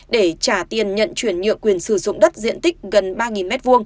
để trả tiền nhận chuyển nhựa quyền sử dụng đất diện tích gần ba m hai